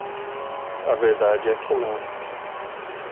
A verdade é que não.